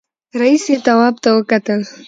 رئيسې تواب ته وکتل.